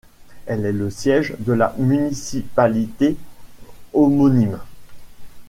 Elle est le siège de la municipalité homonyme.